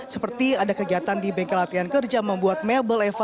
seperti ada kegiatan di bengkel latihan kerja membuat mebel eva